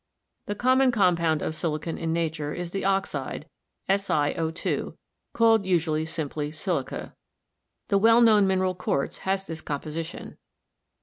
The common compound of silicon in nature is the oxide, Si02, called usually simply silica. The well known mineral quartz has this composition.